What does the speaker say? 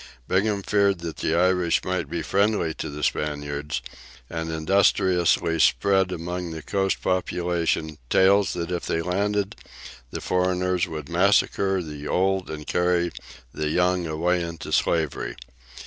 Bingham feared the Irish might be friendly to the Spaniards, and industriously spread among the coast population tales that if they landed the foreigners would massacre the old and carry the young away into slavery.